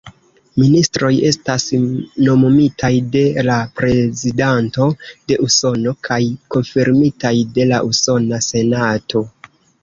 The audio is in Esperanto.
Ministroj estas nomumitaj de la Prezidanto de Usono kaj konfirmitaj de la Usona Senato.